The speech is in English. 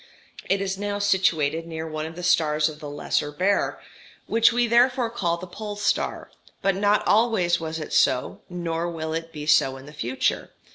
It is now situated near one of the stars of the Lesser Bear, which we therefore call the Pole star; but not always was it so, nor will it be so in the future.